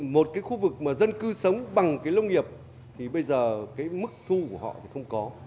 một cái khu vực mà dân cư sống bằng cái lông nghiệp thì bây giờ cái mức thu của họ thì không có